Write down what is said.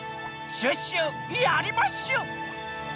「シュッシュやりまッシュ！」。